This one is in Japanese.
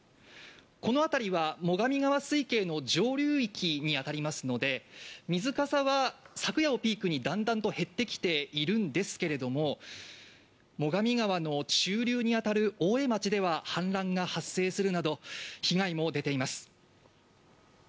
このあたりは最上川水系の上流域にあたりますので、水かさは昨夜をピークにだんだんと減ってきてはいるんですけれども、最上川の中流にあたる大江町では氾濫が発生するなど被害も出ています。